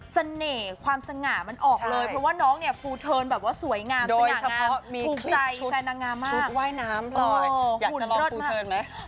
เสน่ห์ความสง่ามันออกเลยเพราะว่าน้องเนี่ยฟูเทิร์นแบบว่าสวยงามสง่างามโดยเฉพาะมีคลิปชุดว่ายน้ำหล่อยอยากจะลองฟูเทิร์นไหม